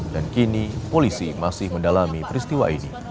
dan kini polisi masih mendalami peristiwa ini